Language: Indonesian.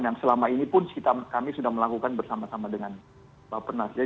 yang selama ini pun kami sudah melakukan bersama sama dengan bapak penas